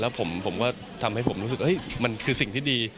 แล้วผมก็ทำให้ผมรู้สึกมันคือสิ่งที่ดี